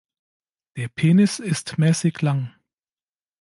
Der Penis ist mäßig lang.